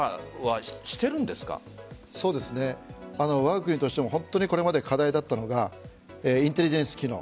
それってわが国としてもこれまで課題だったのがインテリジェンス機能。